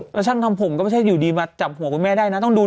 ดีน่ะกินของออร์แกนิคก็สงสารผู้ประกอบการไม่อยากไปซ้ำเติมอะไรแข็งแด๋ว